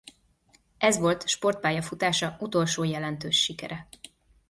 Ez volt sportpályafutása utolsó jelentős sikere.